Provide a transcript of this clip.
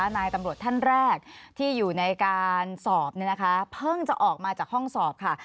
นายตำรวจท่านแรกที่อยู่ในการสอบเพิ่งจะออกมาจากห้องสอบค่ะ